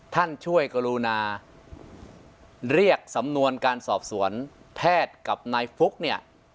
ท่านช่วยกรุณาเรียกสำนวนการสอบสวนแพทย์กับนายฟุ๊กเนี่ย